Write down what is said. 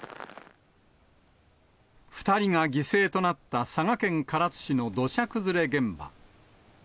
２人が犠牲となった佐賀県唐津市の土砂崩れ現場。